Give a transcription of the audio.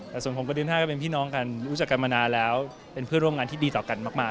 แต่ส่วนผมกับดิน๕ก็เป็นพี่น้องกันรู้จักกันมานานแล้วเป็นเพื่อนร่วมงานที่ดีต่อกันมาก